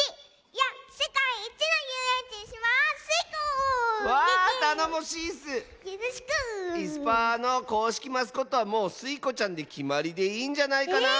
よろしく！いすパーのこうしきマスコットはもうスイ子ちゃんできまりでいいんじゃないかなあ。